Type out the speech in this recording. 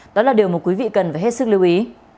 đó là điều mà quý vị cần phải hết sức lưu ý